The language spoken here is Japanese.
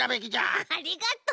ハハありがとう。